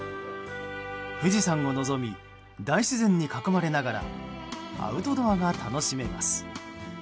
富士山を望み大自然に囲まれながらアウトドアが楽しめます。